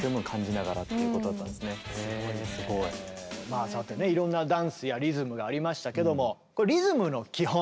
まあそうやってねいろんなダンスやリズムがありましたけどもリズムの基本